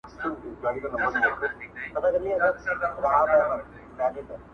یوه ورځ دهقان له کوره را وتلی؛